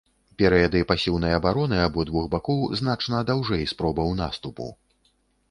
Перыяды пасіўнай абароны абодвух бакоў значна даўжэй спробаў наступу.